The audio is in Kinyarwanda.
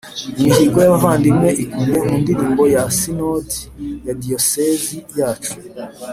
imihigo y’abavandimwe ikubiye mu ndirimbo ya sinodi ya diyosezi yacu